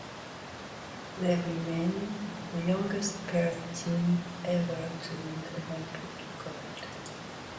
They remain the youngest pairs team ever to win Olympic gold.